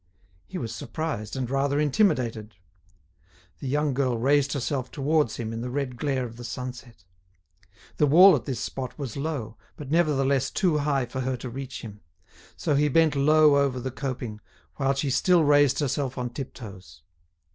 He was surprised and rather intimidated. The young girl raised herself towards him in the red glare of the sunset. The wall at this spot was low, but nevertheless too high for her to reach him. So he bent low over the coping, while she still raised herself on tiptoes.